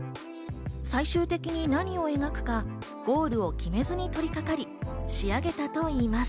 最終的に何を描くか、ゴールを決めずに取り掛かり、仕上げたといいます。